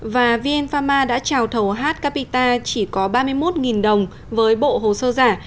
và vn pharma đã trào thầu h capita chỉ có ba mươi một đồng với bộ hồ sơ giả